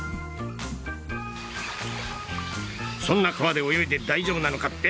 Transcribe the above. そんな川で泳いで大丈夫なのかって？